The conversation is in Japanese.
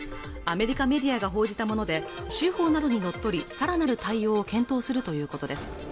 アメリカメディアが報じたもので州法などに則りさらなる対応を検討するということです